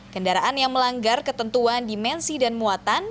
kendaraan yang melanggar ketentuan dimensi dan muatan